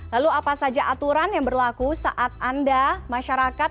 lalu apa saja aturan yang berlaku saat anda masyarakat